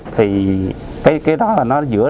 thì cái đó là nó giữa